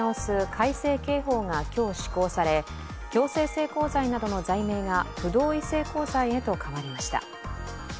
改正刑法が今日施行され、強制性交罪などの罪名が不同意性交罪へと変わりました。